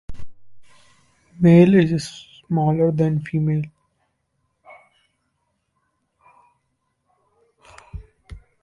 Male is smaller than female.